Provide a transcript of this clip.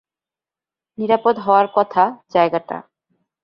নিরাপদ হওয়ার কথা জায়গাটা।